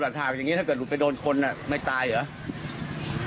กลัวหลักภากอย่างนี้ถ้าหลุดไปโดนคนไม่ตายเหรอ